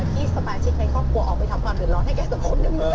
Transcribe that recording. ที่สมาชิกในครอบครัวออกไปทำความเดือดร้อนให้แก่สังคม